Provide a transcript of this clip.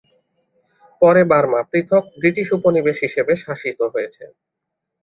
পরে বার্মা পৃথক ব্রিটিশ উপনিবেশ হিসেবে শাসিত হয়েছে।